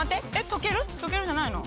トけるじゃないの？